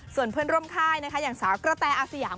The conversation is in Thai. ส่วนเพื่อนร่วมค่ายนะคะอย่างสาวกระแตอาสยาม